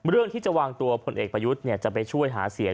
เรื่องที่จะวางตัวผลเอกประยุทธ์จะไปช่วยหาเสียง